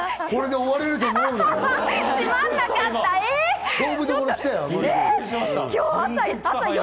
これで終われると思うなよ！